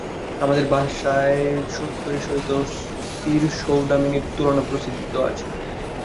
আমাদের ভাষায় সুন্দরীর সহিত স্থিরসৌদামিনীর তুলনা প্রসিদ্ধ আছে।